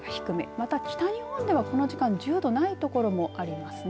また北日本ではこの時間１０度ない所もありますね。